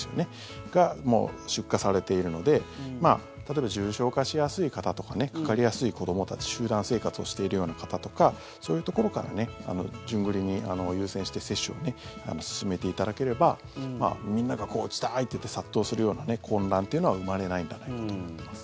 それが、もう出荷されているので例えば重症化しやすい方とかかかりやすい子どもたち集団生活をしているような方とかそういうところから順繰りに優先して接種を進めていただければみんなが打ちたいといって殺到するような混乱というのは生まれないのではないかと思ってます。